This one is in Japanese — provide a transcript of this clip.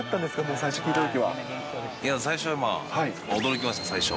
最初は驚きました、最初は。